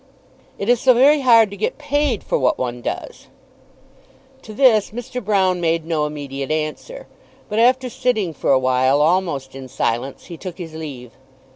"It is so very hard to get paid for what one does." To this Mr. Broune made no immediate answer; but, after sitting for a while, almost in silence, he took his leave.